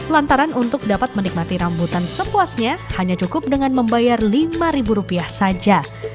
lantaran untuk dapat menikmati rambutan sepuasnya hanya cukup dengan membayar lima rupiah saja